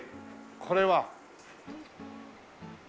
これは。